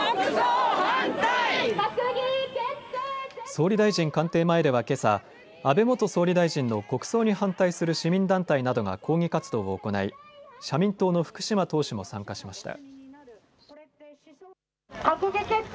総理大臣官邸前ではけさ安倍元総理大臣の国葬に反対する市民団体などが抗議活動を行い社民党の福島党首も参加しました。